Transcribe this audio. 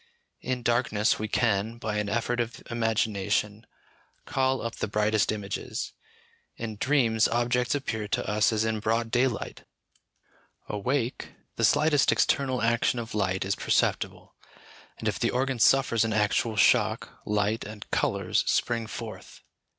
In darkness we can, by an effort of imagination, call up the brightest images; in dreams objects appear to us as in broad daylight; awake, the slightest external action of light is perceptible, and if the organ suffers an actual shock, light and colours spring forth.